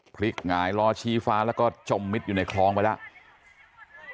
หงายล้อชี้ฟ้าแล้วก็จมมิดอยู่ในคลองไปแล้ว